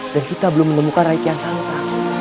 dan kita belum menemukan rai kian sangka